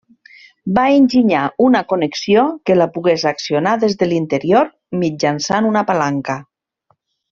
Va enginyar una connexió que la pogués accionar des de l'interior mitjançant una palanca.